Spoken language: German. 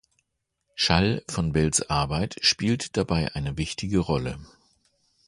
Schall von Bells Arbeit spielt dabei eine wichtige Rolle.